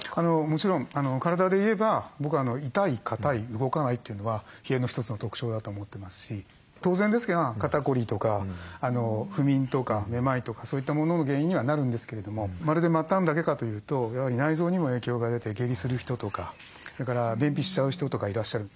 もちろん体で言えば僕は「痛い硬い動かない」というのは冷えの一つの特徴だと思ってますし当然ですが肩こりとか不眠とかめまいとかそういったものの原因にはなるんですけれどもまるで末端だけかというとやはり内臓にも影響が出て下痢する人とかそれから便秘しちゃう人とかいらっしゃる。